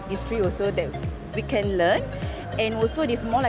dan juga ini lebih seperti benar benar terbuka mata